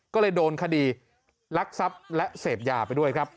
ก็เลยโดนคดีลักทรัพย์และเสพยาไปด้วยครับ